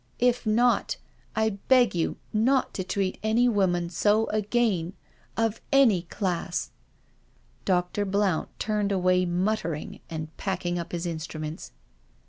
If not, I beg you not to treat any woman so again— of any class." Dr. Blount turned away muttering, and packing up his instruments.